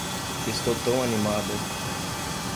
Estou tão animada!